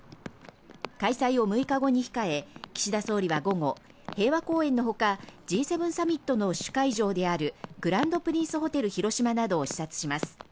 開催を６日後に控え、岸田総理は午後、平和公園の他、Ｇ７サミットの主会場であるグランドプリンスホテル広島などを視察します。